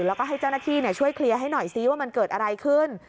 แล้วก็ให้เจ้าหน้าที่ช่วยเคลียร์ให้หน่อยซิว่ามันเกิดอะไรขึ้น